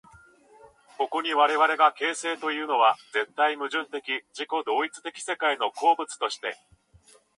ここに我々が形成的というのは、絶対矛盾的自己同一的世界の個物として、